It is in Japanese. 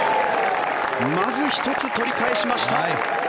まず１つ、取り返しました。